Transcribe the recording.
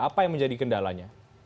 apa yang menjadi kendalanya